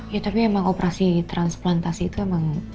ya tapi emang operasi transplantasi itu emang